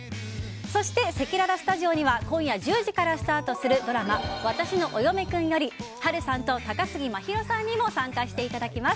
そして、せきららスタジオには今夜１０時からスタートするドラマ「わたしのお嫁くん」より波瑠さんと高杉真宙さんにも参加していただきます。